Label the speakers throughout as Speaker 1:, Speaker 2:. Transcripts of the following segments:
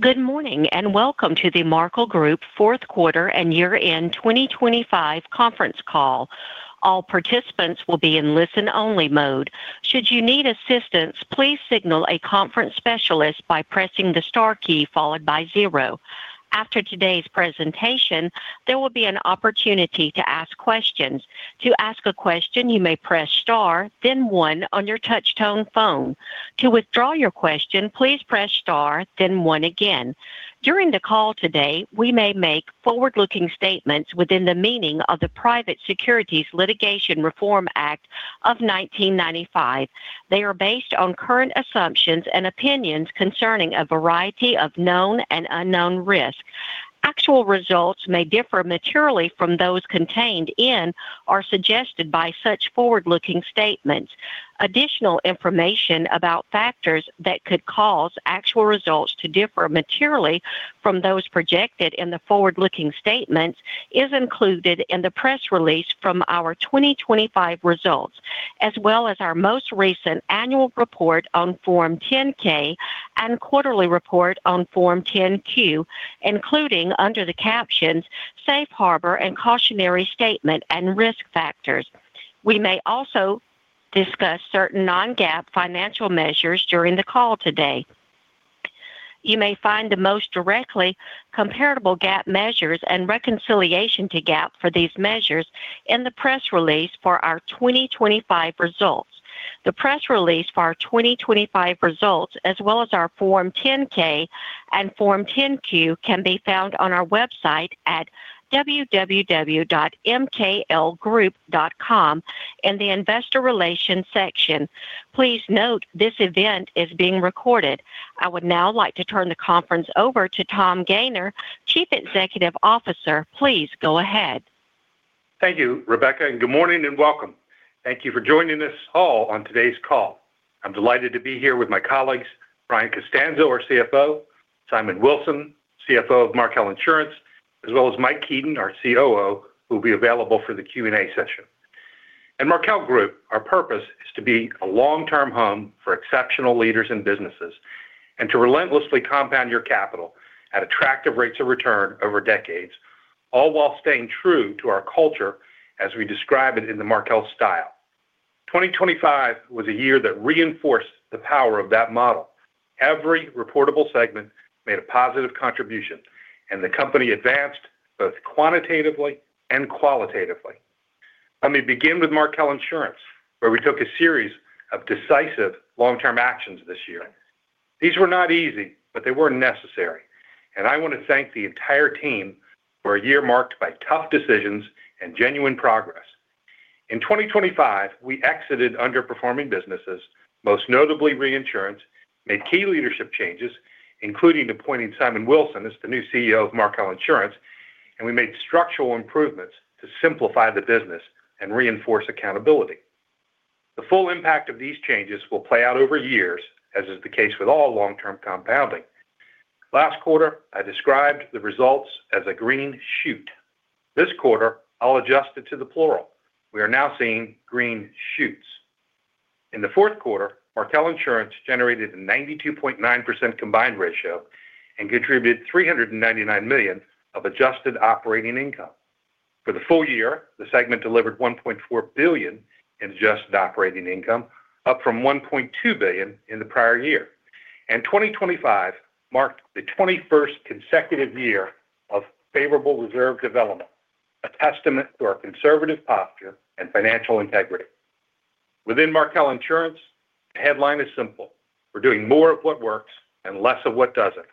Speaker 1: Good morning and welcome to the Markel Group fourth quarter and year-end 2025 conference call. All participants will be in listen-only mode. Should you need assistance, please signal a conference specialist by pressing the star key followed by 0. After today's presentation, there will be an opportunity to ask questions. To ask a question, you may press star, then 1 on your touch-tone phone. To withdraw your question, please press star, then 1 again. During the call today, we may make forward-looking statements within the meaning of the Private Securities Litigation Reform Act of 1995. They are based on current assumptions and opinions concerning a variety of known and unknown risks. Actual results may differ materially for those contained in or suggested by such forward-looking statements. Additional information about factors that could cause actual results to differ materially from those projected in the forward-looking statements is included in the press release from our 2025 results, as well as our most recent annual report on Form 10-K and quarterly report on Form 10-Q, including under the captions, "Safe Harbor and Cautionary Statement and Risk Factors." We may also discuss certain non-GAAP Financial measures during the call today. You may find the most directly comparable GAAP measures and reconciliation to GAAP for these measures in the press release for our 2025 results. The press release for our 2025 results, as well as our Form 10-K and Form 10-Q, can be found on our website at www.markelgroup.com in the Investor Relations section. Please note this event is being recorded. I would now like to turn the conference over to Tom Gayner, Chief Executive Officer. Please go ahead.
Speaker 2: Thank you, Rebecca, and good morning and welcome. Thank you for joining us all on today's call. I'm delighted to be here with my colleagues, Brian Costanzo, our CFO, Simon Wilson, CEO of Markel Insurance, as well as Mike Heaton, our COO, who will be available for the Q&A session. At Markel Group, our purpose is to be a long-term home for exceptional leaders and businesses and to relentlessly compound your capital at attractive rates of return over decades, all while staying true to our culture as we describe it in the Markel Style. 2025 was a year that reinforced the power of that model. Every reportable segment made a positive contribution, and the company advanced both quantitatively and qualitatively. Let me begin with Markel Insurance, where we took a series of decisive long-term actions this year. These were not easy, but they were necessary, and I want to thank the entire team for a year marked by tough decisions and genuine progress. In 2025, we exited underperforming businesses, most notably reinsurance, made key leadership changes, including appointing Simon Wilson as the new CEO of Markel Insurance, and we made structural improvements to simplify the business and reinforce accountability. The full impact of these changes will play out over years, as is the case with all long-term compounding. Last quarter, I described the results as a green shoot. This quarter, I'll adjust it to the plural. We are now seeing green shoots. In the fourth quarter, Markel Insurance generated a 92.9% combined ratio and contributed $399 million of adjusted operating income. For the full year, the segment delivered $1.4 billion in adjusted operating income, up from $1.2 billion in the prior year. 2025 marked the 21st consecutive year of favorable reserve development, a testament to our conservative posture and Financial integrity. Within Markel Insurance, the headline is simple: "We're doing more of what works and less of what doesn't,"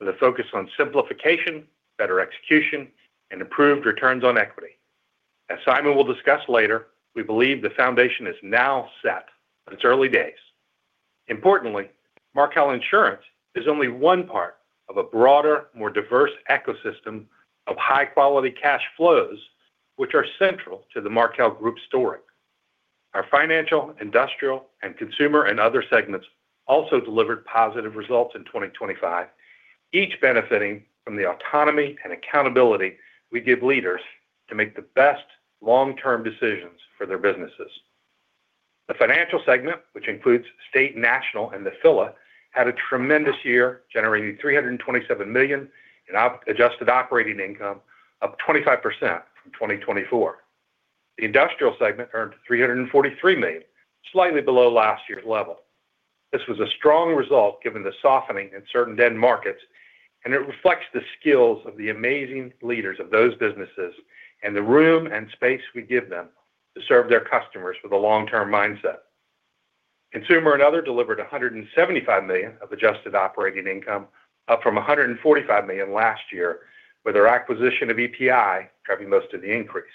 Speaker 2: with a focus on simplification, better execution, and improved returns on equity. As Simon will discuss later, we believe the foundation is now set, but it's early days. Importantly, Markel Insurance is only one part of a broader, more diverse ecosystem of high-quality cash flows, which are central to the Markel Group story. Our Industrial, Financial, and Consumer and Other segments also delivered positive results in 2025, each benefiting from the autonomy and accountability we give leaders to make the best long-term decisions for their businesses. The Financial segment, which includes State National, and Nephila, had a tremendous year, generating $327 million in adjusted operating income, up 25% from 2024. The Industrial segment earned $343 million, slightly below last year's level. This was a strong result given the softening in certain end markets, and it reflects the skills of the amazing leaders of those businesses and the room and space we give them to serve their customers with a long-term mindset. consumer and other delivered $175 million of adjusted operating income, up from $145 million last year, with our acquisition of EPI driving most of the increase.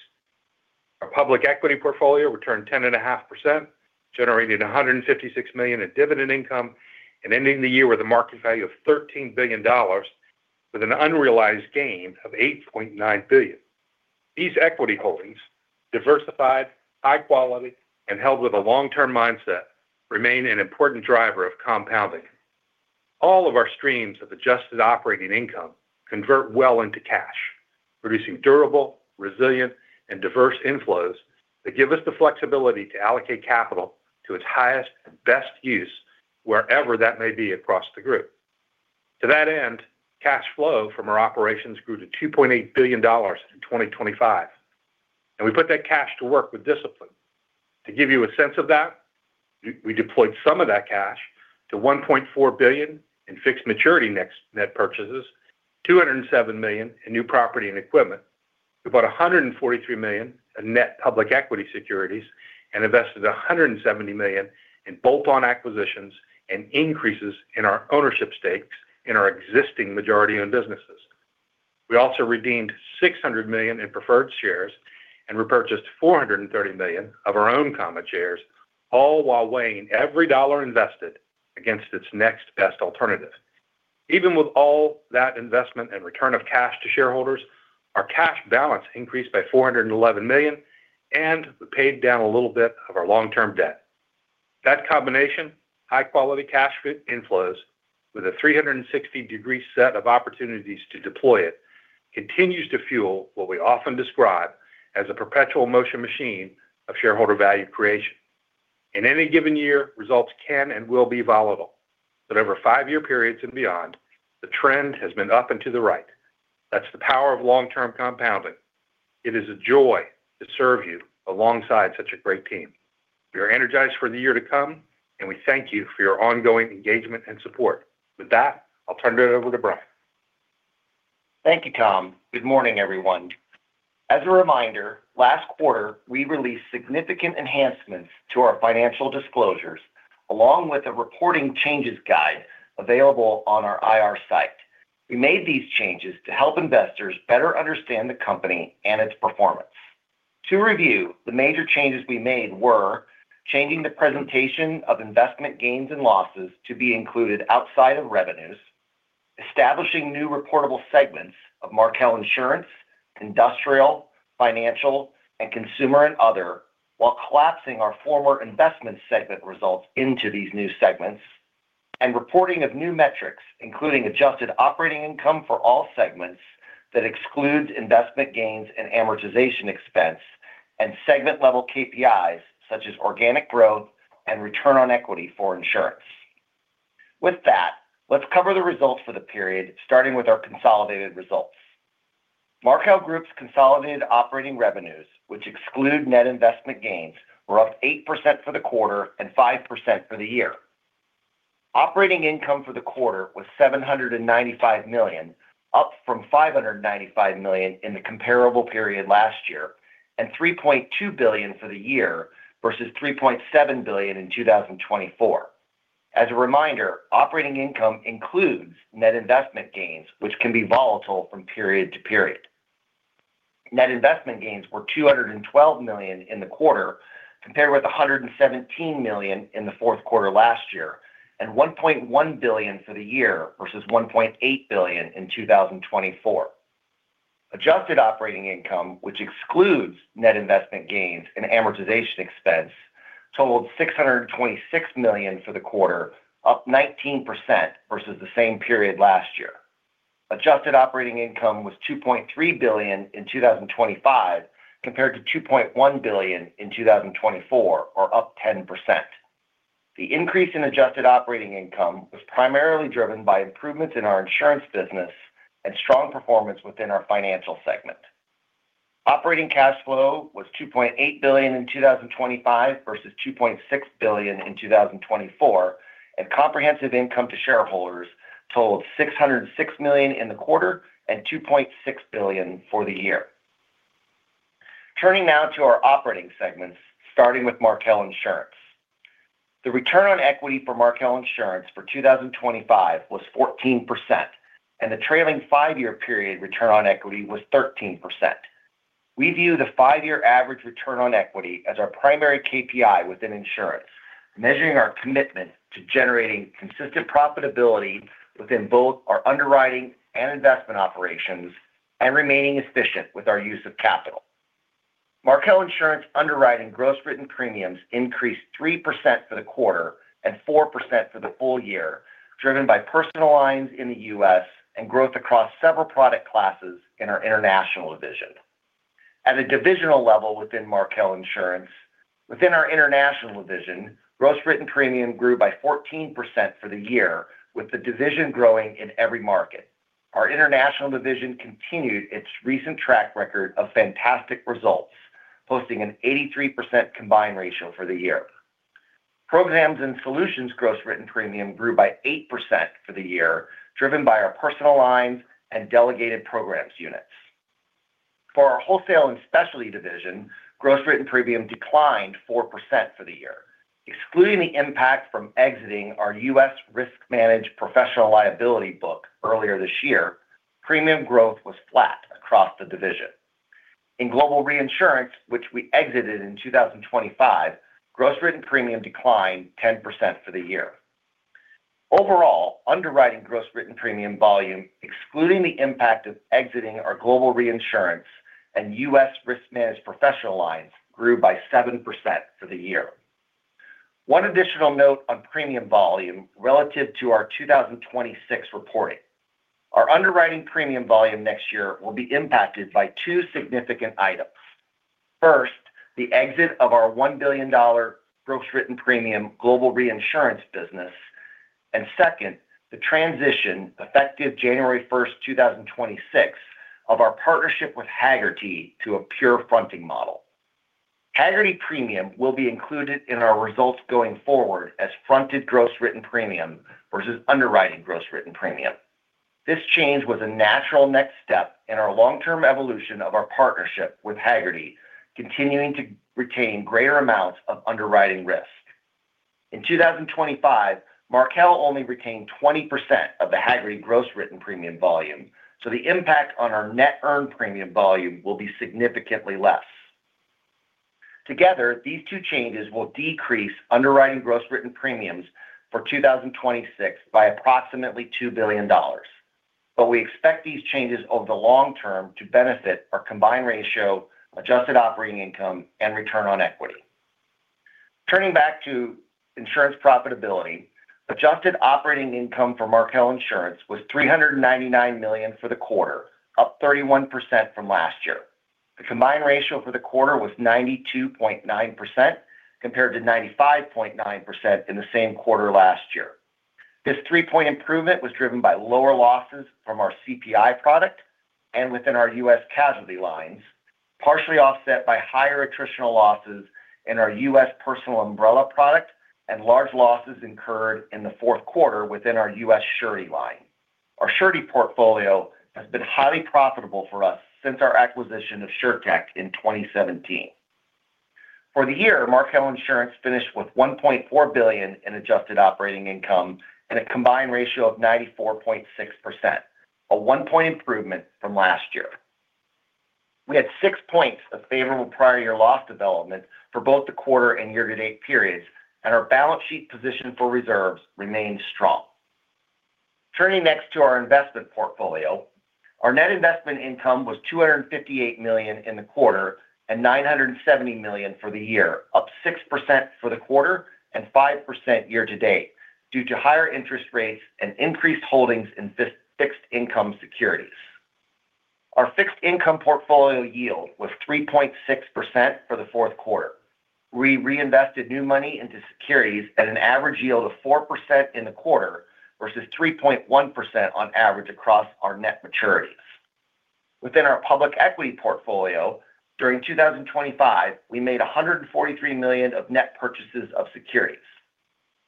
Speaker 2: Our public equity portfolio returned 10.5%, generating $156 million in dividend income and ending the year with a market value of $13 billion, with an unrealized gain of $8.9 billion. These equity holdings, diversified, high-quality, and held with a long-term mindset remain an important driver of compounding. All of our streams of adjusted operating income convert well into cash, producing durable, resilient, and diverse inflows that give us the flexibility to allocate capital to its highest and best use wherever that may be across the group. To that end, cash flow from our operations grew to $2.8 billion in 2025, and we put that cash to work with discipline. To give you a sense of that, we deployed some of that cash to $1.4 billion in fixed maturity net purchases, $207 million in new property and equipment, about $143 million in net public equity securities, and invested $170 million in bolt-on acquisitions and increases in our ownership stakes in our existing majority-owned businesses. We also redeemed $600 million in preferred shares and repurchased $430 million of our own common shares, all while weighing every dollar invested against its next best alternative. Even with all that investment and return of cash to shareholders, our cash balance increased by $411 million, and we paid down a little bit of our long-term debt. That combination, high-quality cash inflows with a 360-degree set of opportunities to deploy it, continues to fuel what we often describe as a perpetual motion machine of shareholder value creation. In any given year, results can and will be volatile, but over five-year periods and beyond, the trend has been up and to the right. That's the power of long-term compounding. It is a joy to serve you alongside such a great team. We are energized for the year to come, and we thank you for your ongoing engagement and support. With that, I'll turn it over to Brian.
Speaker 3: Thank you, Tom. Good morning, everyone. As a reminder, last quarter, we released significant enhancements to our Financial disclosures along with a reporting changes guide available on our IR site. We made these changes to help investors better understand the company and its performance. To review, the major changes we made were changing the presentation of investment gains and losses to be included outside of revenues, establishing new reportable segments of Markel Insurance, Industrial, Financial, and consumer and other, while collapsing our former investment segment results into these new segments, and reporting of new metrics, including adjusted operating income for all segments that excludes investment gains and amortization expense, and segment-level KPIs such as organic growth and return on equity for insurance. With that, let's cover the results for the period, starting with our consolidated results. Markel Group's consolidated operating revenues, which exclude net investment gains, were up 8% for the quarter and 5% for the year. Operating income for the quarter was $795 million, up from $595 million in the comparable period last year and $3.2 billion for the year versus $3.7 billion in 2024. As a reminder, operating income includes net investment gains, which can be volatile from period to period. Net investment gains were $212 million in the quarter compared with $117 million in the fourth quarter last year and $1.1 billion for the year versus $1.8 billion in 2024. Adjusted operating income, which excludes net investment gains and amortization expense, totaled $626 million for the quarter, up 19% versus the same period last year. Adjusted operating income was $2.3 billion in 2025 compared to $2.1 billion in 2024, or up 10%. The increase in adjusted operating income was primarily driven by improvements in our insurance business and strong performance within our Financial segment. Operating cash flow was $2.8 billion in 2025 versus $2.6 billion in 2024, and comprehensive income to shareholders totaled $606 million in the quarter and $2.6 billion for the year. Turning now to our operating segments, starting with Markel Insurance. The return on equity for Markel Insurance for 2025 was 14%, and the trailing five-year period return on equity was 13%. We view the five-year average return on equity as our primary KPI within insurance, measuring our commitment to generating consistent profitability within both our underwriting and investment operations and remaining efficient with our use of capital. Markel Insurance underwriting gross written premiums increased 3% for the quarter and 4% for the full year, driven by personal lines in the U.S. and growth across several product classes in our International division. At a divisional level within Markel Insurance, within our International division, gross written premium grew by 14% for the year, with the division growing in every market. Our International division continued its recent track record of fantastic results, posting an 83% combined ratio for the year. Programs and Solutions gross written premium grew by 8% for the year, driven by our personal lines and delegated programs units. For our Wholesale and Specialty division, gross written premium declined 4% for the year. Excluding the impact from exiting our U.S. Risk Managed Professional Liability book earlier this year, premium growth was flat across the division. In Global Reinsurance, which we exited in 2025, gross written premium declined 10% for the year. Overall, underwriting gross written premium volume, excluding the impact of exiting our Global Reinsurance and U.S. Risk Managed Professional lines, grew by 7% for the year. One additional note on premium volume relative to our 2026 reporting: our underwriting premium volume next year will be impacted by two significant items. First, the exit of our $1 billion gross written premium Global Reinsurance business. And second, the transition, effective January 1st, 2026, of our partnership with Hagerty to a pure fronting model. Hagerty premium will be included in our results going forward as fronted gross written premium versus underwriting gross written premium. This change was a natural next step in our long-term evolution of our partnership with Hagerty, continuing to retain greater amounts of underwriting risk. In 2025, Markel only retained 20% of the Hagerty gross written premium volume, so the impact on our net earned premium volume will be significantly less. Together, these two changes will decrease underwriting gross written premiums for 2026 by approximately $2 billion. But we expect these changes over the long term to benefit our combined ratio, adjusted operating income, and return on equity. Turning back to insurance profitability, adjusted operating income for Markel Insurance was $399 million for the quarter, up 31% from last year. The combined ratio for the quarter was 92.9% compared to 95.9% in the same quarter last year. This three-point improvement was driven by lower losses from our CPI product and within our U.S. casualty lines, partially offset by higher attritional losses in our U.S. personal umbrella product and large losses incurred in the fourth quarter within our U.S. Surety line. Our Surety portfolio has been highly profitable for us since our acquisition of SureTec in 2017. For the year, Markel Insurance finished with $1.4 billion in adjusted operating income and a combined ratio of 94.6%, a one-point improvement from last year. We had six points of favorable prior-year loss development for both the quarter and year-to-date periods, and our balance sheet position for reserves remained strong. Turning next to our investment portfolio, our net investment income was $258 million in the quarter and $970 million for the year, up 6% for the quarter and 5% year-to-date due to higher interest rates and increased holdings in fixed income securities. Our fixed income portfolio yield was 3.6% for the fourth quarter. We reinvested new money into securities at an average yield of 4% in the quarter versus 3.1% on average across our net maturities. Within our public equity portfolio, during 2025, we made $143 million of net purchases of securities.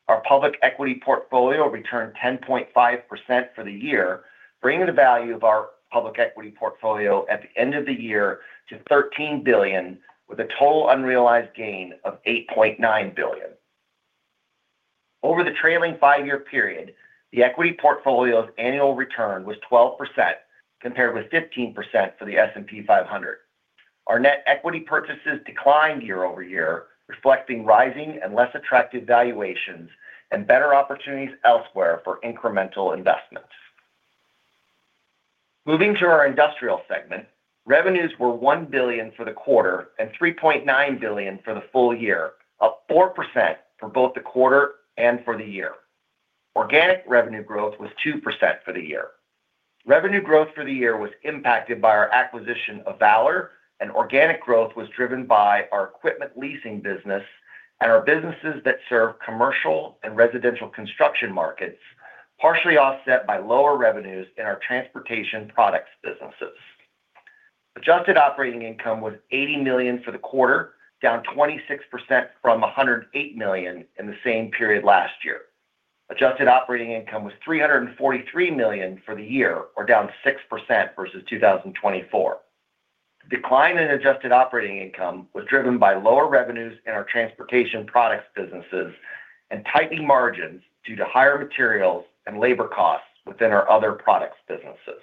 Speaker 3: Our public equity portfolio returned 10.5% for the year, bringing the value of our public equity portfolio at the end of the year to $13 billion, with a total unrealized gain of $8.9 billion. Over the trailing five-year period, the equity portfolio's annual return was 12% compared with 15% for the S&P 500. Our net equity purchases declined year-over-year, reflecting rising and less attractive valuations and better opportunities elsewhere for incremental investments. Moving to our Industrial segment, revenues were $1 billion for the quarter and $3.9 billion for the full year, up 4% for both the quarter and for the year. Organic revenue growth was 2% for the year. Revenue growth for the year was impacted by our acquisition of Valor, and organic growth was driven by our equipment leasing business and our businesses that serve commercial and residential construction markets, partially offset by lower revenues in our transportation products businesses. Adjusted operating income was $80 million for the quarter, down 26% from $108 million in the same period last year. Adjusted operating income was $343 million for the year, or down 6% versus 2024. The decline in adjusted operating income was driven by lower revenues in our transportation products businesses and tightening margins due to higher materials and labor costs within our other products businesses.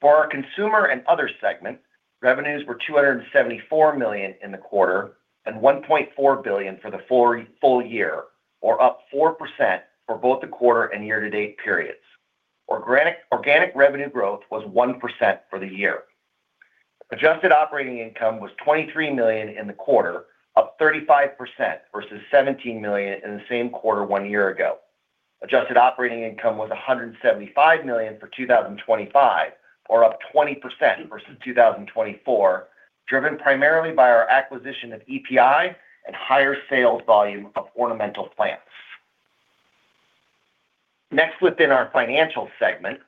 Speaker 3: For our consumer and other segment, revenues were $274 million in the quarter and $1.4 billion for the full year, or up 4% for both the quarter and year-to-date periods. Organic revenue growth was 1% for the year. Adjusted operating income was $23 million in the quarter, up 35% versus $17 million in the same quarter one year ago. Adjusted operating income was $175 million for 2025, or up 20% versus 2024, driven primarily by our acquisition of EPI and higher sales volume of ornamental plants. Next, within our Financial segment,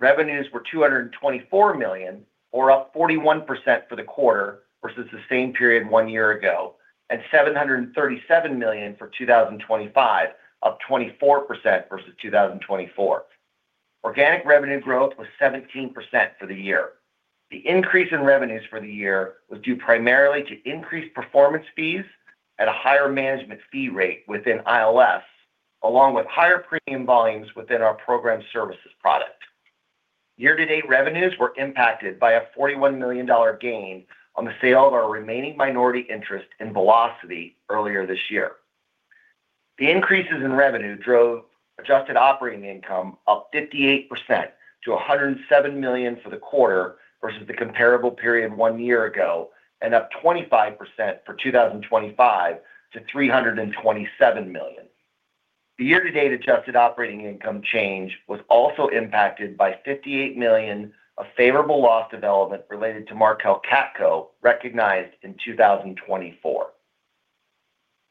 Speaker 3: revenues were $224 million, or up 41% for the quarter versus the same period one year ago, and $737 million for 2025, up 24% versus 2024. Organic revenue growth was 17% for the year. The increase in revenues for the year was due primarily to increased performance fees and a higher management fee rate within ILS, along with higher premium volumes within our program services product. Year-to-date revenues were impacted by a $41 million gain on the sale of our remaining minority interest in Velocity earlier this year. The increases in revenue drove adjusted operating income up 58% to $107 million for the quarter versus the comparable period one year ago, and up 25% for 2025 to $327 million. The year-to-date adjusted operating income change was also impacted by $58 million of favorable loss development related to Markel CATCo recognized in 2024.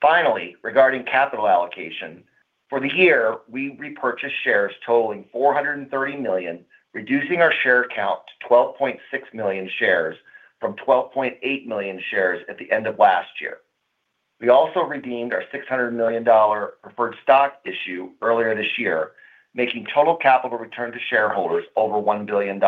Speaker 3: Finally, regarding capital allocation, for the year, we repurchased shares totaling $430 million, reducing our share count to 12.6 million shares from 12.8 million shares at the end of last year. We also redeemed our $600 million preferred stock issue earlier this year, making total capital return to shareholders over $1 billion.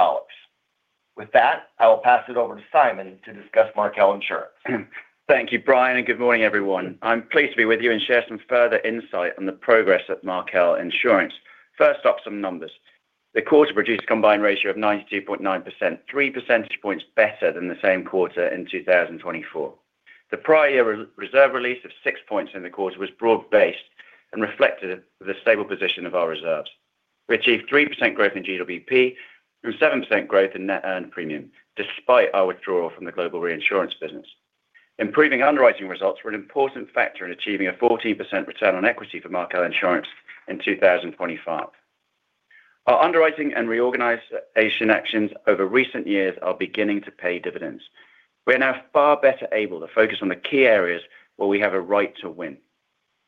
Speaker 3: With that, I will pass it over to Simon to discuss Markel Insurance.
Speaker 4: Thank you, Brian, and good morning, everyone. I'm pleased to be with you and share some further insight on the progress at Markel Insurance. First off, some numbers. The quarter produced a combined ratio of 92.9%, 3 percentage points better than the same quarter in 2024. The prior-year reserve release of 6 points in the quarter was broad-based and reflected the stable position of our reserves. We achieved 3% growth in GWP and 7% growth in net earned premium, despite our withdrawal from the Global Reinsurance business. Improving underwriting results were an important factor in achieving a 14% return on equity for Markel Insurance in 2025. Our underwriting and reorganization actions over recent years are beginning to pay dividends. We are now far better able to focus on the key areas where we have a right to win.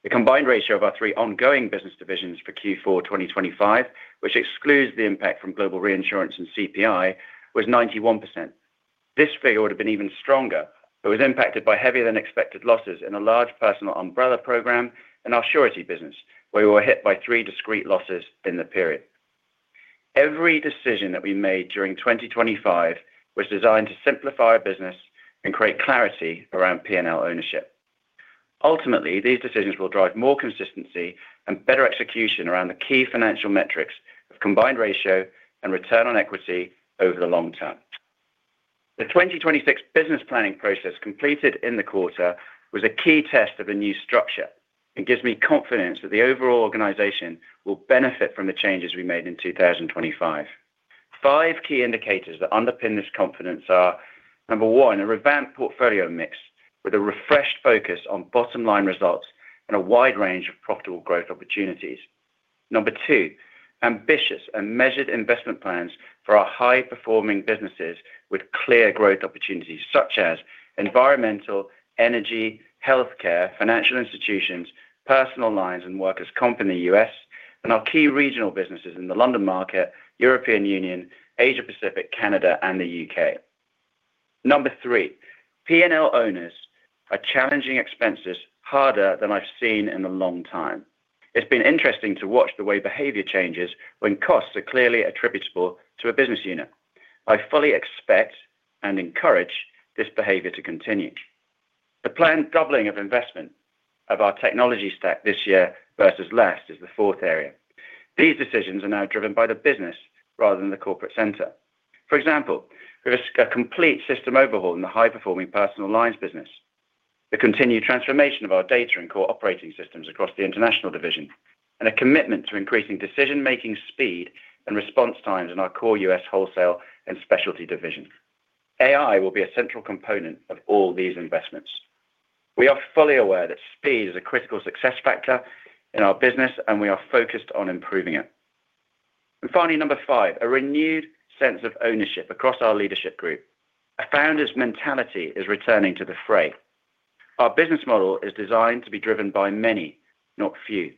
Speaker 4: The combined ratio of our three ongoing business divisions for Q4 2025, which excludes the impact from Global Reinsurance and CPI, was 91%. This figure would have been even stronger but was impacted by heavier-than-expected losses in a large personal umbrella program and our surety business, where we were hit by three discrete losses in the period. Every decision that we made during 2025 was designed to simplify our business and create clarity around P&L ownership. Ultimately, these decisions will drive more consistency and better execution around the key Financial metrics of combined ratio and return on equity over the long term. The 2026 business planning process completed in the quarter was a key test of a new structure and gives me confidence that the overall organization will benefit from the changes we made in 2025. Five key indicators that underpin this confidence are: number one, a revamped portfolio mix with a refreshed focus on bottom-line results and a wide range of profitable growth opportunities. Number two, ambitious and measured investment plans for our high-performing businesses with clear growth opportunities, such as environmental, energy, healthcare, Financial institutions, personal lines, and workers' comp in the U.S., and our key regional businesses in the London market, European Union, Asia-Pacific, Canada, and the U.K. Number three, P&L owners are challenging expenses harder than I've seen in a long time. It's been interesting to watch the way behavior changes when costs are clearly attributable to a business unit. I fully expect and encourage this behavior to continue. The planned doubling of investment of our technology stack this year versus last is the fourth area. These decisions are now driven by the business rather than the corporate center. For example, we have a complete system overhaul in the high-performing personal lines business, the continued transformation of our data and core operating systems across the international division, and a commitment to increasing decision-making speed and response times in our core U.S. wholesale and specialty division. AI will be a central component of all these investments. We are fully aware that speed is a critical success factor in our business, and we are focused on improving it. Finally, number five, a renewed sense of ownership across our leadership group. A founder's mentality is returning to the fray. Our business model is designed to be driven by many, not few.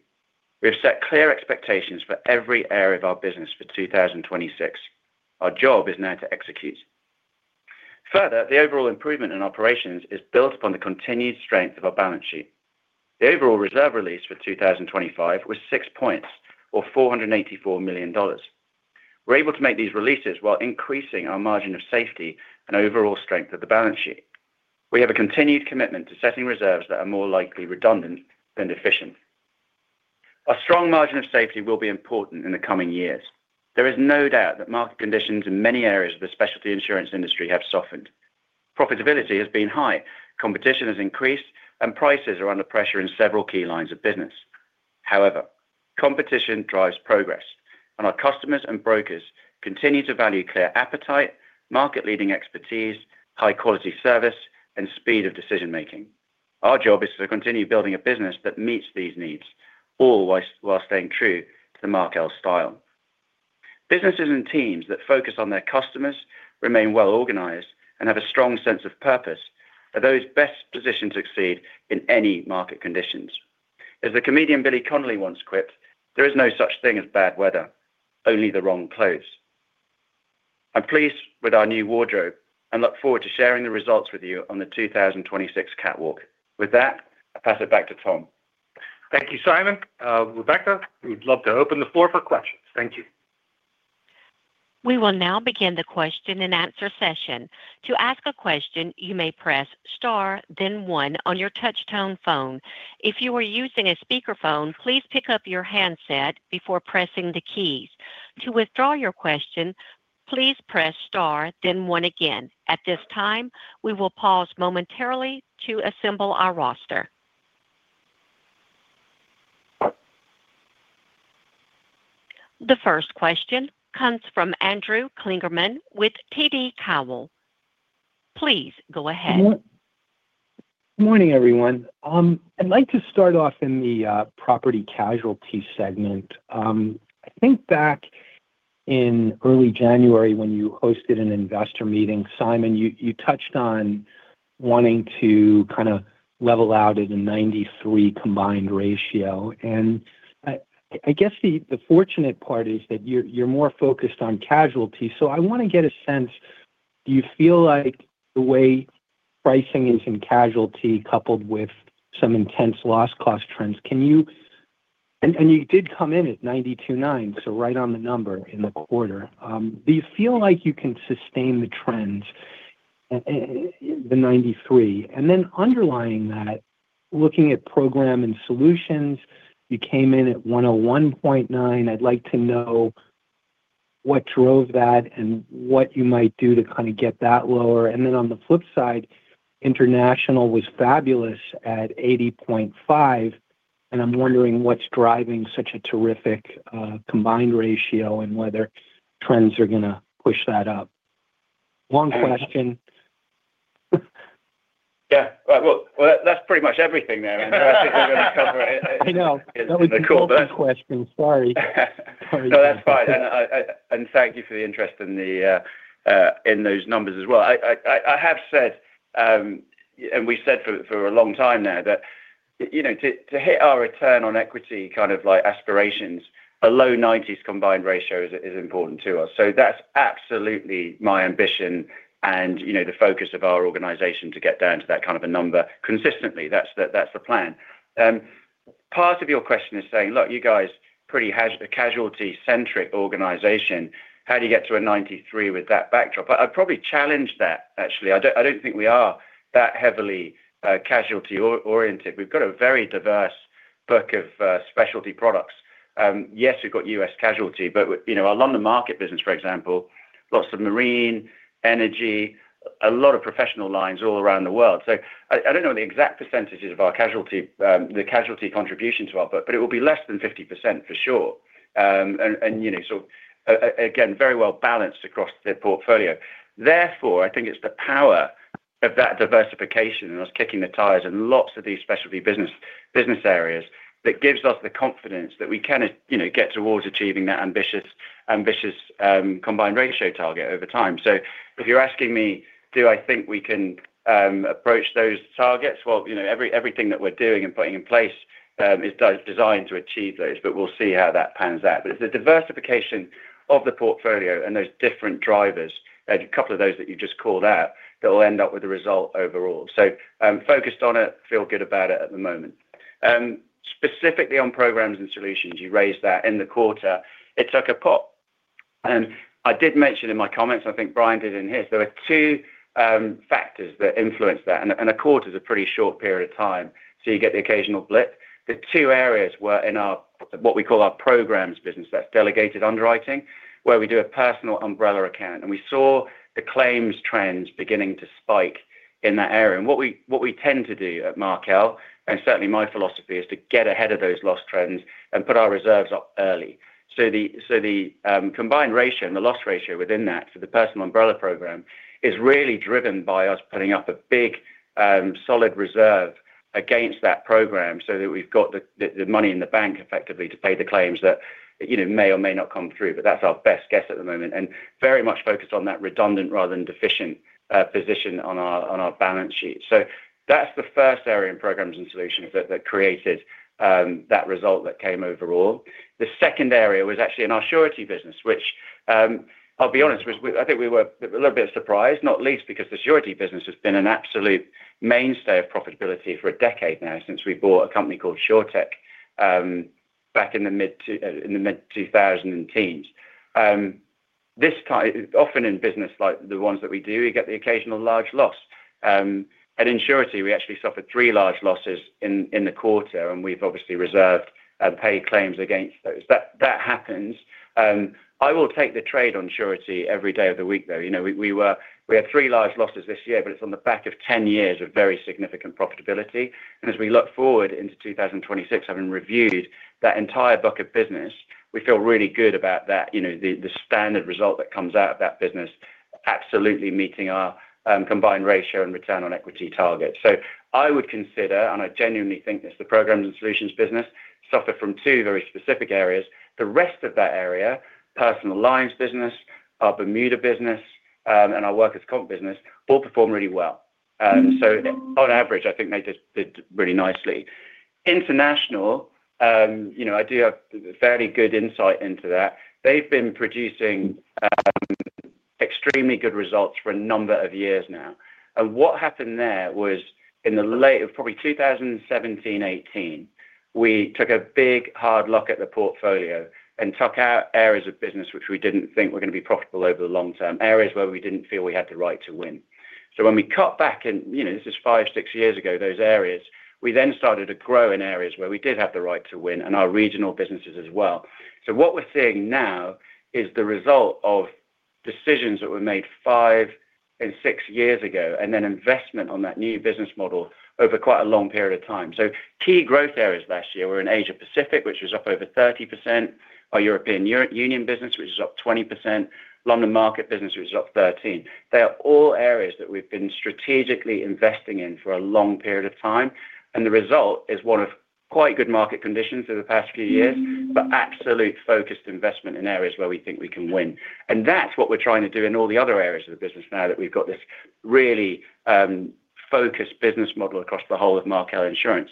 Speaker 4: We have set clear expectations for every area of our business for 2026. Our job is now to execute. Further, the overall improvement in operations is built upon the continued strength of our balance sheet. The overall reserve release for 2025 was 6 points, or $484 million. We're able to make these releases while increasing our margin of safety and overall strength of the balance sheet. We have a continued commitment to setting reserves that are more likely redundant than deficient. Our strong margin of safety will be important in the coming years. There is no doubt that market conditions in many areas of the specialty insurance industry have softened. Profitability has been high, competition has increased, and prices are under pressure in several key lines of business. However, competition drives progress, and our customers and brokers continue to value clear appetite, market-leading expertise, high-quality service, and speed of decision-making. Our job is to continue building a business that meets these needs, all while staying true to the Markel Style. Businesses and teams that focus on their customers, remain well-organized, and have a strong sense of purpose are those best positioned to succeed in any market conditions. As the comedian Billy Connolly once quipped, "There is no such thing as bad weather, only the wrong clothes." I'm pleased with our new wardrobe and look forward to sharing the results with you on the 2026 catwalk. With that, I pass it back to Tom.
Speaker 2: Thank you, Simon. Rebecca, we'd love to open the floor for questions. Thank you.
Speaker 1: We will now begin the question-and-answer session. To ask a question, you may press star, then one on your touch-tone phone. If you are using a speakerphone, please pick up your handset before pressing the keys. To withdraw your question, please press star, then one again. At this time, we will pause momentarily to assemble our roster. The first question comes from Andrew Kligerman with TD Cowen. Please go ahead.
Speaker 5: Good morning, everyone. I'd like to start off in the property casualty segment. I think back in early January when you hosted an investor meeting, Simon, you touched on wanting to kind of level out at a 93 combined ratio. I guess the fortunate part is that you're more focused on casualty. I want to get a sense, do you feel like the way pricing is in casualty coupled with some intense loss cost trends? You did come in at 92.9, so right on the number in the quarter. Do you feel like you can sustain the trends, the 93? Then underlying that, looking at program and solutions, you came in at 101.9. I'd like to know what drove that and what you might do to kind of get that lower. Then on the flip side, international was fabulous at 80.5. I'm wondering what's driving such a terrific combined ratio and whether trends are going to push that up. Long question.
Speaker 4: Yeah. Well, that's pretty much everything there, Andrew. I think we're going to cover it.
Speaker 5: I know. That was the question. Sorry. Sorry.
Speaker 4: No, that's fine. Thank you for the interest in those numbers as well. I have said, and we've said for a long time now, that to hit our return on equity kind of aspirations, a low 90s combined ratio is important to us. So that's absolutely my ambition and the focus of our organization to get down to that kind of a number consistently. That's the plan. Part of your question is saying, "Look, you guys, pretty casualty-centric organization. How do you get to a 93 with that backdrop?" I'd probably challenge that, actually. I don't think we are that heavily casualty-oriented. We've got a very diverse book of specialty products. Yes, we've got U.S. casualty, but our London market business, for example, lots of marine, energy, a lot of professional lines all around the world. So I don't know the exact percentages of our casualty contribution to our book, but it will be less than 50% for sure. And so, again, very well balanced across the portfolio. Therefore, I think it's the power of that diversification - and I was kicking the tires - in lots of these specialty business areas that gives us the confidence that we can get towards achieving that ambitious combined ratio target over time. So if you're asking me, do I think we can approach those targets? Well, everything that we're doing and putting in place is designed to achieve those, but we'll see how that pans out. But it's the diversification of the portfolio and those different drivers, a couple of those that you just called out, that will end up with the result overall. So focused on it, feel good about it at the moment. Specifically on Programs and Solutions, you raised that in the quarter. It took a pop. I did mention in my comments, and I think Brian did in his; there were two factors that influenced that. A quarter is a pretty short period of time, so you get the occasional blip. The two areas were in what we call our programs business. That's delegated underwriting, where we do a personal umbrella account. We saw the claims trends beginning to spike in that area. What we tend to do at Markel, and certainly my philosophy, is to get ahead of those loss trends and put our reserves up early. So the combined ratio, the loss ratio within that for the personal umbrella program, is really driven by us putting up a big, solid reserve against that program so that we've got the money in the bank effectively to pay the claims that may or may not come through. But that's our best guess at the moment, and very much focused on that redundant rather than deficient position on our balance sheet. So that's the first area in Programs and Solutions that created that result that came overall. The second area was actually in our surety business, which, I'll be honest, I think we were a little bit surprised, not least because the surety business has been an absolute mainstay of profitability for a decade now since we bought a company called SureTec back in the mid-2000s. Often in business like the ones that we do, you get the occasional large loss. In surety, we actually suffered three large losses in the quarter, and we've obviously reserved and paid claims against those. That happens. I will take the trade on surety every day of the week, though. We had three large losses this year, but it's on the back of 10 years of very significant profitability. As we look forward into 2026, having reviewed that entire book of business, we feel really good about the standard result that comes out of that business absolutely meeting our combined ratio and return on equity target. So I would consider, and I genuinely think it's the Programs and Solutions business, suffer from two very specific areas. The rest of that area, personal lines business, our Bermuda business, and our workers' comp business, all perform really well. On average, I think they did really nicely. International, I do have fairly good insight into that. They've been producing extremely good results for a number of years now. What happened there was, in the late of probably 2017, 2018, we took a big, hard look at the portfolio and took out areas of business which we didn't think were going to be profitable over the long term, areas where we didn't feel we had the right to win. So when we cut back in, this is 5, 6 years ago, those areas, we then started to grow in areas where we did have the right to win and our regional businesses as well. So what we're seeing now is the result of decisions that were made five and six years ago and then investment on that new business model over quite a long period of time. So key growth areas last year were in Asia-Pacific, which was up over 30%, our European Union business, which is up 20%, London market business, which is up 13%. They are all areas that we've been strategically investing in for a long period of time. And the result is one of quite good market conditions for the past few years, but absolute focused investment in areas where we think we can win. And that's what we're trying to do in all the other areas of the business now that we've got this really focused business model across the whole of Markel Insurance.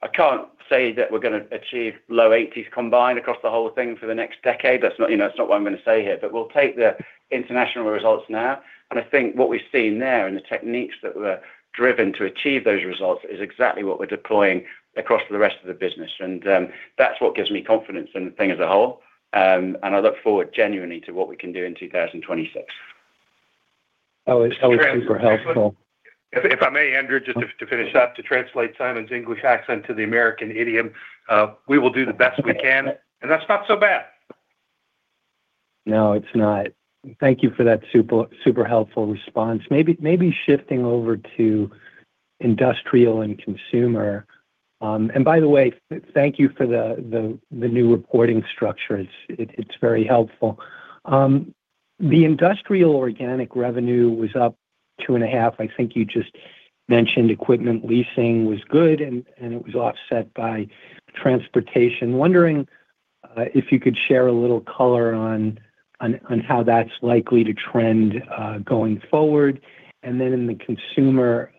Speaker 4: I can't say that we're going to achieve low 80s combined across the whole thing for the next decade. That's not what I'm going to say here. We'll take the international results now. I think what we've seen there and the techniques that were driven to achieve those results is exactly what we're deploying across the rest of the business. That's what gives me confidence in the thing as a whole. I look forward genuinely to what we can do in 2026.
Speaker 5: That was super helpful.
Speaker 2: If I may, Andrew, just to finish up, to translate Simon's English accent to the American idiom, "We will do the best we can." And that's not so bad.
Speaker 5: No, it's not. Thank you for that super helpful response. Maybe shifting over to Industrial and consumer. And by the way, thank you for the new reporting structure. It's very helpful. The Industrial organic revenue was up 2.5%. I think you just mentioned equipment leasing was good, and it was offset by transportation. Wondering if you could share a little color on how that's likely to trend going forward? And then in the consumer,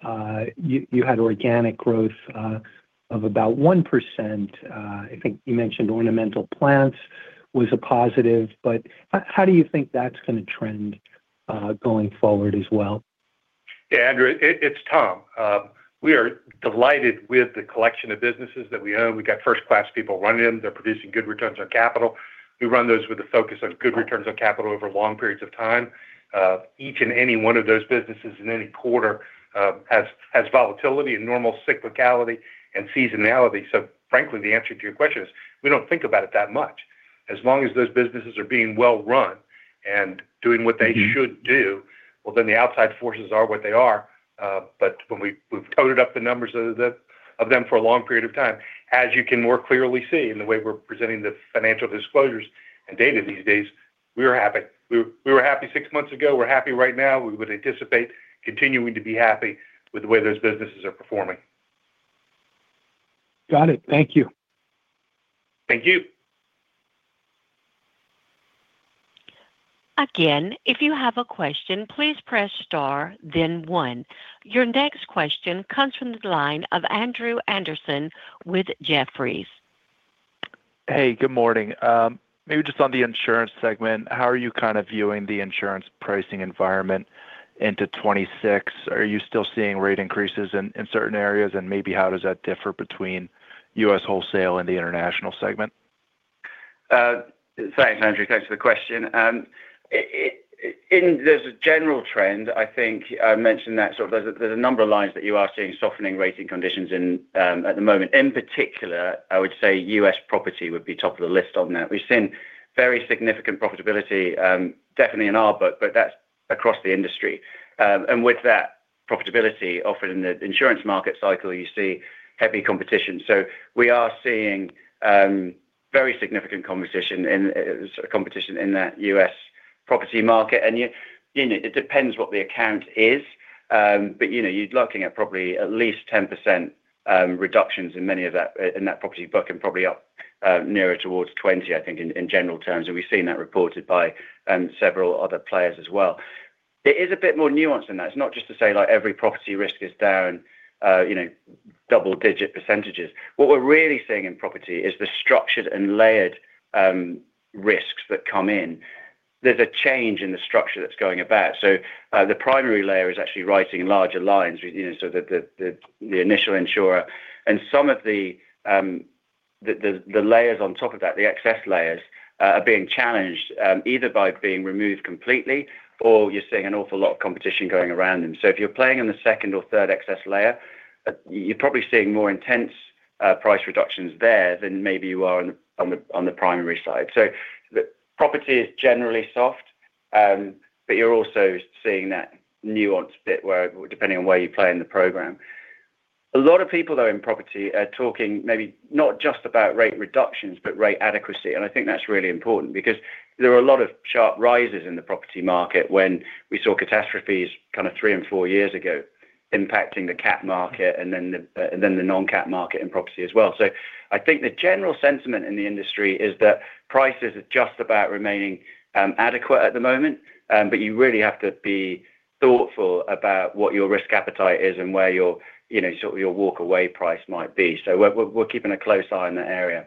Speaker 5: you had organic growth of about 1%. I think you mentioned ornamental plants was a positive. But how do you think that's going to trend going forward as well?
Speaker 2: Yeah, Andrew, it's Tom. We are delighted with the collection of businesses that we own. We've got first-class people running them. They're producing good returns on capital. We run those with a focus on good returns on capital over long periods of time. Each and any one of those businesses in any quarter has volatility and normal cyclicality and seasonality. So frankly, the answer to your question is we don't think about it that much. As long as those businesses are being well run and doing what they should do, well, then the outside forces are what they are. But when we've toted up the numbers of them for a long period of time, as you can more clearly see in the way we're presenting the Financial disclosures and data these days, we were happy. We were happy six months ago. We're happy right now. We would anticipate continuing to be happy with the way those businesses are performing.
Speaker 5: Got it. Thank you.
Speaker 4: Thank you.
Speaker 1: Again, if you have a question, please press star, then one. Your next question comes from the line of Andrew Andersen with Jefferies.
Speaker 6: Hey, good morning. Maybe just on the insurance segment, how are you kind of viewing the insurance pricing environment into 2026? Are you still seeing rate increases in certain areas? Maybe how does that differ between U.S. wholesale and the international segment?
Speaker 4: Thanks, Andrew. Thanks for the question. There's a general trend. I think I mentioned that sort of there's a number of lines that you are seeing softening rating conditions at the moment. In particular, I would say U.S. property would be top of the list on that. We've seen very significant profitability, definitely in our book, but that's across the industry. And with that profitability, often in the insurance market cycle, you see heavy competition. So we are seeing very significant competition in that U.S. property market. And it depends what the account is. But you're looking at probably at least 10% reductions in many of that in that property book and probably up nearer towards 20%, I think, in general terms. And we've seen that reported by several other players as well. It is a bit more nuanced than that. It's not just to say every property risk is down double-digit %. What we're really seeing in property is the structured and layered risks that come in. There's a change in the structure that's going about. So the primary layer is actually writing larger lines, so the initial insurer. And some of the layers on top of that, the excess layers, are being challenged either by being removed completely or you're seeing an awful lot of competition going around them. So if you're playing in the second or third excess layer, you're probably seeing more intense price reductions there than maybe you are on the primary side. So property is generally soft, but you're also seeing that nuanced bit depending on where you play in the program. A lot of people, though, in property are talking maybe not just about rate reductions but rate adequacy. I think that's really important because there were a lot of sharp rises in the property market when we saw catastrophes kind of 3 and 4 years ago impacting the cat market and then the non-cat market in property as well. So I think the general sentiment in the industry is that prices are just about remaining adequate at the moment. But you really have to be thoughtful about what your risk appetite is and where sort of your walk-away price might be. So we're keeping a close eye on that area.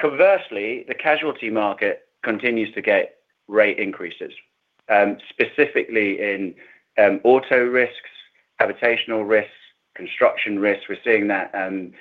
Speaker 4: Conversely, the casualty market continues to get rate increases, specifically in auto risks, habitational risks, construction risks. We're seeing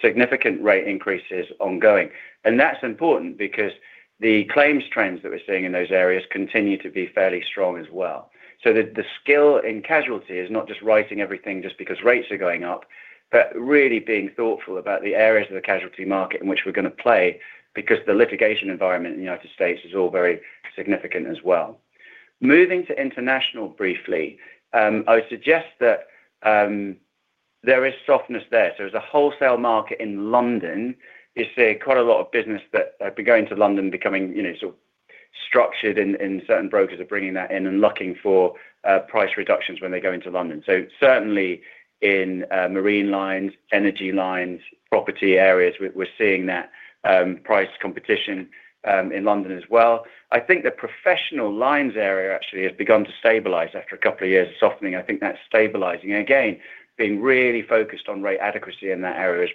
Speaker 4: significant rate increases ongoing. And that's important because the claims trends that we're seeing in those areas continue to be fairly strong as well. So the skill in casualty is not just writing everything just because rates are going up, but really being thoughtful about the areas of the casualty market in which we're going to play because the litigation environment in the United States is all very significant as well. Moving to international briefly, I would suggest that there is softness there. So as a wholesale market in London, you see quite a lot of business that have been going to London becoming sort of structured in certain brokers are bringing that in and looking for price reductions when they go into London. So certainly in marine lines, energy lines, property areas, we're seeing that price competition in London as well. I think the professional lines area actually has begun to stabilize after a couple of years of softening. I think that's stabilizing. And again, being really focused on rate adequacy in that area is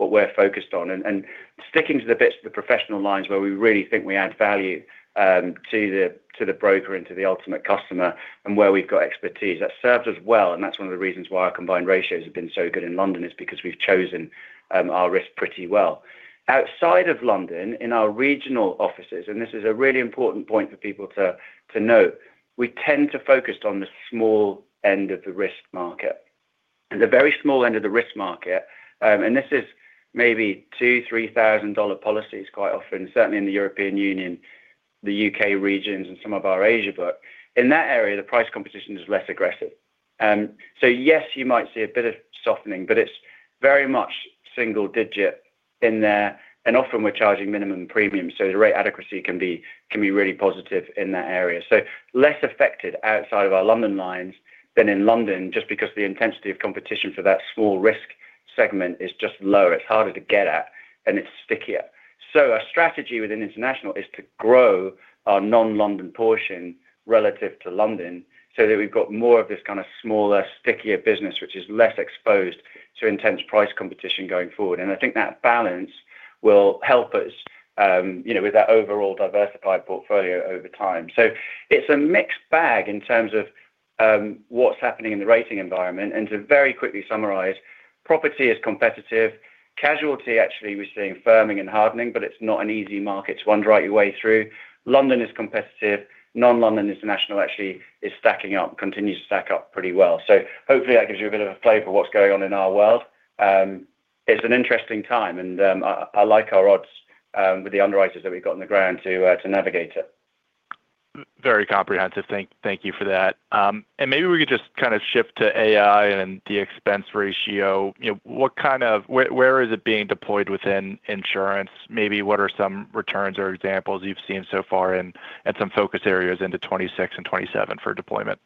Speaker 4: what we're focused on. And sticking to the bits of the professional lines where we really think we add value to the broker and to the ultimate customer and where we've got expertise, that's served us well. And that's one of the reasons why our combined ratios have been so good in London is because we've chosen our risk pretty well. Outside of London, in our regional offices - and this is a really important point for people to note - we tend to focus on the small end of the risk market. And the very small end of the risk market - and this is maybe $2,000-$3,000 policies quite often, certainly in the European Union, the UK regions, and some of our Asia book - in that area, the price competition is less aggressive. So yes, you might see a bit of softening, but it's very much single-digit in there. And often, we're charging minimum premiums. So the rate adequacy can be really positive in that area. So less affected outside of our London lines than in London just because the intensity of competition for that small risk segment is just lower. It's harder to get at, and it's stickier. So our strategy within international is to grow our non-London portion relative to London so that we've got more of this kind of smaller, stickier business, which is less exposed to intense price competition going forward. And I think that balance will help us with that overall diversified portfolio over time. So it's a mixed bag in terms of what's happening in the rating environment. And to very quickly summarize, property is competitive. Casualty, actually, we're seeing firming and hardening, but it's not an easy market to wander right your way through. London is competitive. Non-London international actually is stacking up, continues to stack up pretty well. So hopefully, that gives you a bit of a flavor of what's going on in our world. It's an interesting time, and I like our odds with the underwriters that we've got on the ground to navigate it.
Speaker 6: Very comprehensive. Thank you for that. Maybe we could just kind of shift to AI and the expense ratio. What kind of where is it being deployed within insurance? Maybe what are some returns or examples you've seen so far and some focus areas into 2026 and 2027 for deployment?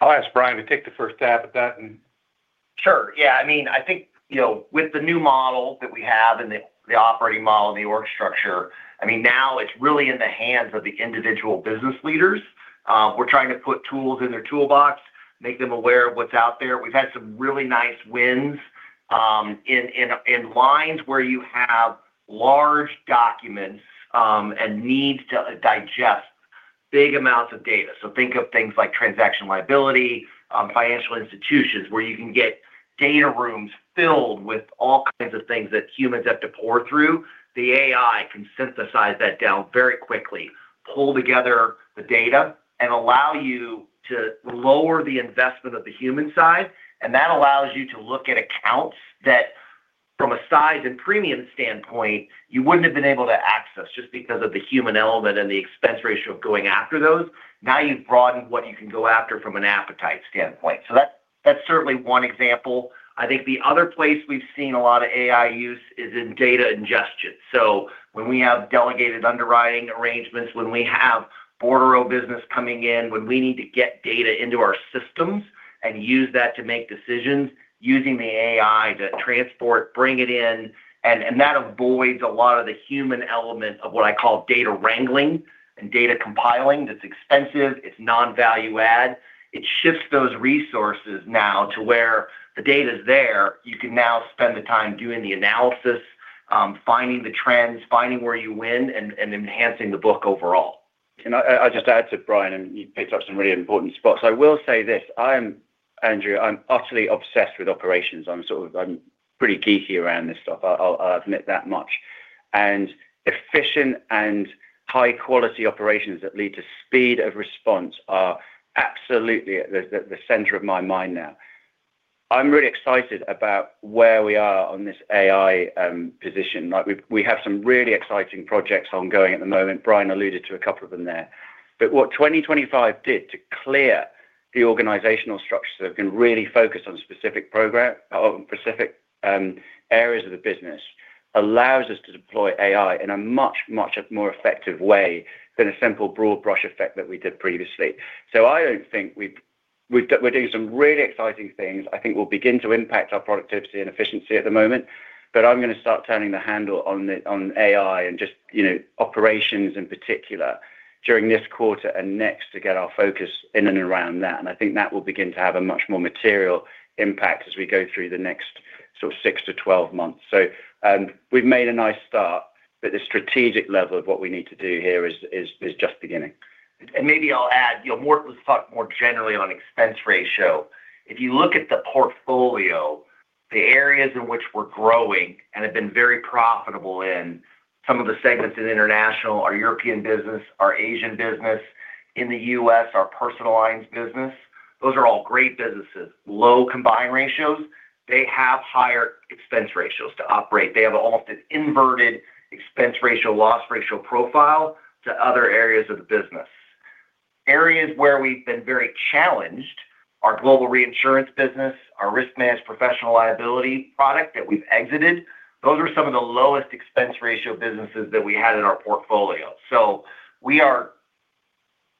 Speaker 4: I'll ask Brian to take the first stab at that.
Speaker 3: Sure. Yeah. I mean, I think with the new model that we have and the operating model and the org structure, I mean, now it's really in the hands of the individual business leaders. We're trying to put tools in their toolbox, make them aware of what's out there. We've had some really nice wins in lines where you have large documents and need to digest big amounts of data. So think of things like transaction liability, Financial institutions where you can get data rooms filled with all kinds of things that humans have to pore through. The AI can synthesize that down very quickly, pull together the data, and allow you to lower the investment of the human side. And that allows you to look at accounts that, from a size and premium standpoint, you wouldn't have been able to access just because of the human element and the expense ratio of going after those. Now you've broadened what you can go after from an appetite standpoint. So that's certainly one example. I think the other place we've seen a lot of AI use is in data ingestion. So when we have delegated underwriting arrangements, when we have bordereaux business coming in, when we need to get data into our systems and use that to make decisions, using the AI to transport, bring it in. And that avoids a lot of the human element of what I call data wrangling and data compiling. It's expensive. It's non-value add. It shifts those resources now to where the data's there. You can now spend the time doing the analysis, finding the trends, finding where you win, and enhancing the book overall.
Speaker 4: I'll just add to Brian, and you picked up some really important spots. I will say this. Andrew, I'm utterly obsessed with operations. I'm pretty geeky around this stuff. I'll admit that much. And efficient and high-quality operations that lead to speed of response are absolutely at the center of my mind now. I'm really excited about where we are on this AI position. We have some really exciting projects ongoing at the moment. Brian alluded to a couple of them there. But what 2025 did to clear the organizational structures so we can really focus on specific areas of the business allows us to deploy AI in a much, much more effective way than a simple broad brush effect that we did previously. So I don't think we're doing some really exciting things. I think we'll begin to impact our productivity and efficiency at the moment. But I'm going to start turning the handle on AI and just operations in particular during this quarter and next to get our focus in and around that. And I think that will begin to have a much more material impact as we go through the next sort of 6-12 months. So we've made a nice start, but the strategic level of what we need to do here is just beginning.
Speaker 3: Maybe I'll add more generally on expense ratio. If you look at the portfolio, the areas in which we're growing and have been very profitable in, some of the segments in international, our European business, our Asian business, in the U.S., our personal lines business, those are all great businesses. Low combined ratios, they have higher expense ratios to operate. They have almost an inverted expense ratio, loss ratio profile to other areas of the business. Areas where we've been very challenged, our Global Reinsurance business, our risk management professional liability product that we've exited, those are some of the lowest expense ratio businesses that we had in our portfolio. So we are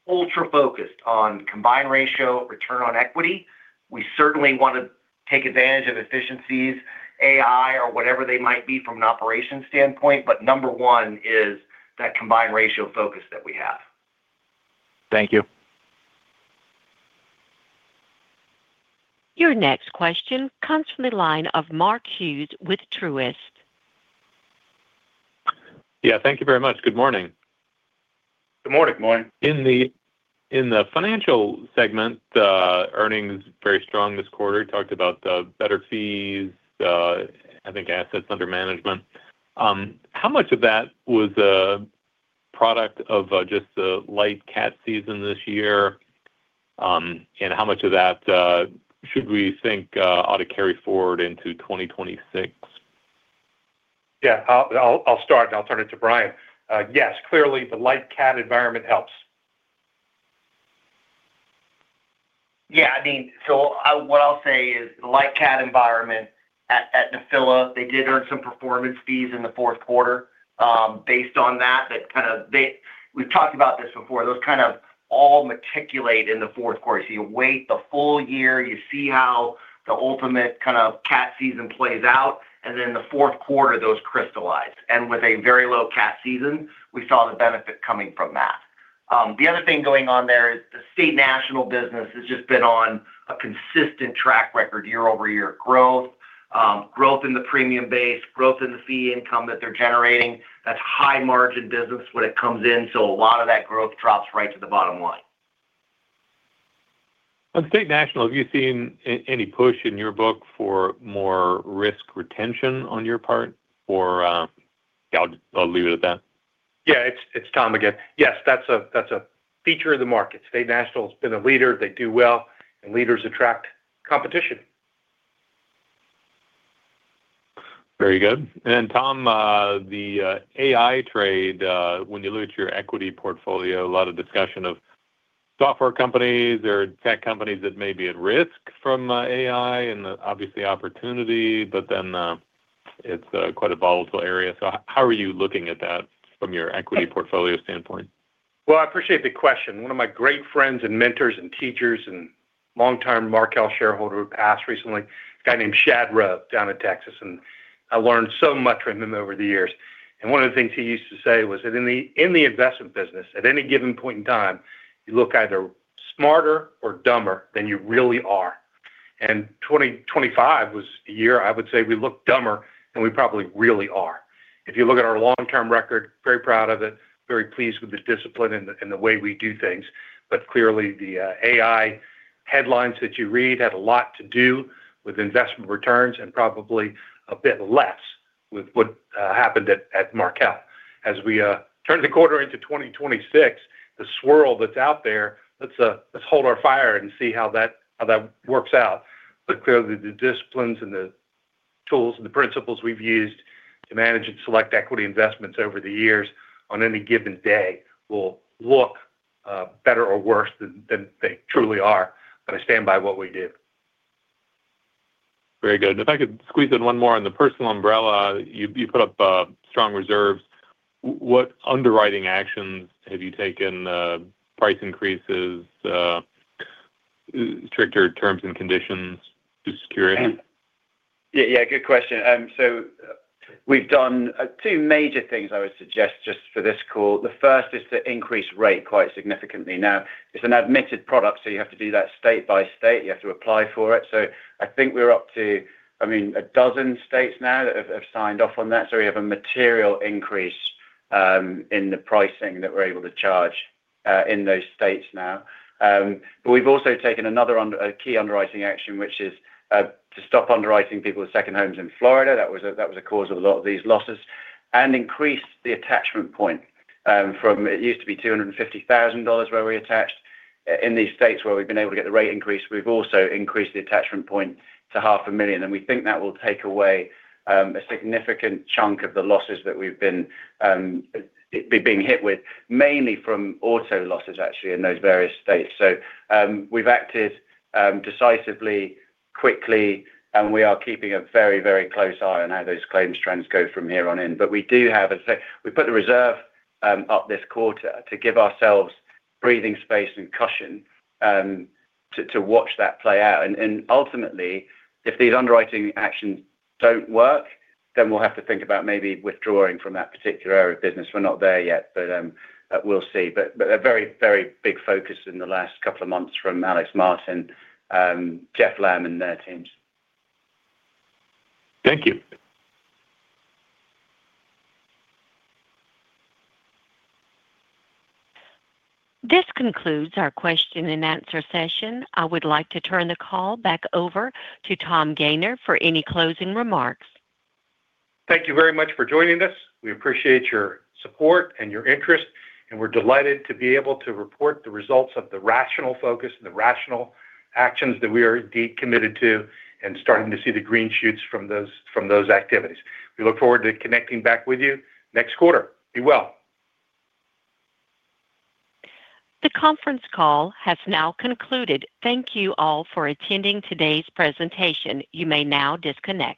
Speaker 3: ultra-focused on combined ratio, return on equity. We certainly want to take advantage of efficiencies, AI, or whatever they might be from an operations standpoint. But number one is that combined ratio focus that we have.
Speaker 4: Thank you.
Speaker 1: Your next question comes from the line of Mark Hughes with Truist.
Speaker 7: Yeah. Thank you very much. Good morning.
Speaker 4: Good morning.
Speaker 7: In the Financial segment, earnings very strong this quarter. Talked about better fees, I think, assets under management. How much of that was a product of just the light Cat season this year? How much of that should we think ought to carry forward into 2026?
Speaker 4: Yeah. I'll start, and I'll turn it to Brian. Yes, clearly, the light Cat environment helps.
Speaker 3: Yeah. I mean, so what I'll say is the light Cat environment at Nephila, they did earn some performance fees in the fourth quarter. Based on that, that kind of we've talked about this before. Those kind of all matriculate in the fourth quarter. So you wait the full year. You see how the ultimate kind of Cat season plays out. And then in the fourth quarter, those crystallize. And with a very low Cat season, we saw the benefit coming from that. The other thing going on there is the State National business has just been on a consistent track record year-over-year growth, growth in the premium base, growth in the fee income that they're generating. That's high-margin business when it comes in. So a lot of that growth drops right to the bottom line.
Speaker 7: On State National, have you seen any push in your book for more risk retention on your part? Or yeah, I'll leave it at that.
Speaker 2: Yeah. It's Tom again. Yes, that's a feature of the market. State National has been a leader. They do well. Leaders attract competition.
Speaker 7: Very good. And Tom, the AI trade, when you look at your equity portfolio, a lot of discussion of software companies. There are tech companies that may be at risk from AI and obviously opportunity, but then it's quite a volatile area. So how are you looking at that from your equity portfolio standpoint?
Speaker 2: Well, I appreciate the question. One of my great friends and mentors and teachers and long-time Markel shareholder who passed recently, a guy named Shad Rowe down in Texas. I learned so much from him over the years. One of the things he used to say was that in the investment business, at any given point in time, you look either smarter or dumber than you really are. 2025 was a year, I would say, we look dumber than we probably really are. If you look at our long-term record, very proud of it, very pleased with the discipline and the way we do things. But clearly, the AI headlines that you read had a lot to do with investment returns and probably a bit less with what happened at Markel. As we turn the quarter into 2026, the swirl that's out there, let's hold our fire and see how that works out. But clearly, the disciplines and the tools and the principles we've used to manage and select equity investments over the years on any given day will look better or worse than they truly are. But I stand by what we did.
Speaker 7: Very good. And if I could squeeze in one more on the personal umbrella, you put up strong reserves. What underwriting actions have you taken, price increases, stricter terms and conditions to secure it?
Speaker 4: Yeah. Good question. So we've done two major things, I would suggest, just for this call. The first is to increase rate quite significantly. Now, it's an admitted product, so you have to do that state by state. You have to apply for it. So I think we're up to, I mean, 12 states now that have signed off on that. So we have a material increase in the pricing that we're able to charge in those states now. But we've also taken another key underwriting action, which is to stop underwriting people's second homes in Florida. That was a cause of a lot of these losses. And increase the attachment point from it used to be $250,000 where we attached. In these states where we've been able to get the rate increase, we've also increased the attachment point to $500,000. We think that will take away a significant chunk of the losses that we've been being hit with, mainly from auto losses, actually, in those various states. So we've acted decisively, quickly, and we are keeping a very, very close eye on how those claims trends go from here on in. But we do have. We put the reserve up this quarter to give ourselves breathing space and caution to watch that play out. Ultimately, if these underwriting actions don't work, then we'll have to think about maybe withdrawing from that particular area of business. We're not there yet, but we'll see. A very, very big focus in the last couple of months from Alex Martin, Jeff Lamb, and their teams. Thank you.
Speaker 1: This concludes our question-and-answer session. I would like to turn the call back over to Tom Gayner for any closing remarks.
Speaker 2: Thank you very much for joining us. We appreciate your support and your interest. We're delighted to be able to report the results of the rational focus and the rational actions that we are indeed committed to and starting to see the green shoots from those activities. We look forward to connecting back with you next quarter. Be well.
Speaker 1: The conference call has now concluded. Thank you all for attending today's presentation. You may now disconnect.